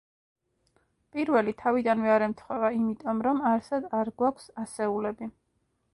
პირველი თავიდანვე არ ემთხვევა იმიტომ, რომ არსად არ გვაქვს ასეულები.